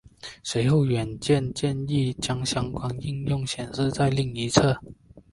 随后软件建议将相关应用显示在另一侧。